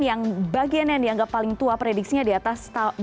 yang bagian yang dianggap paling tua prediksinya di atas dua lima ratus